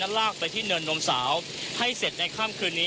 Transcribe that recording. ลากไปที่เนินนมสาวให้เสร็จในค่ำคืนนี้